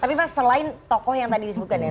tapi mas selain tokoh yang tadi disebutkan ya